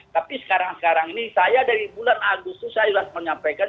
tapi sekarang sekarang ini saya dari bulan agustus saya sudah menyampaikan